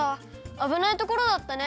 あぶないところだったね！